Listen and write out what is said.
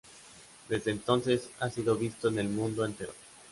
Desde entonces ha sido visto en el mundo entero.